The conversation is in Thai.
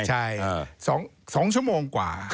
ใช่๒ชั่วโมงกว่า